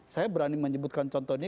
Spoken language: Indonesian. saya berani menyebutkan contoh ini